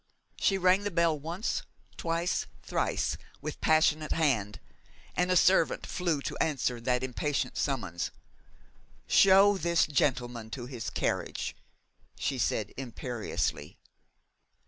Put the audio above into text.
She rang the bell once, twice, thrice, with passionate hand, and a servant flew to answer that impatient summons. 'Show this gentlemen to his carriage,' she said, imperiously.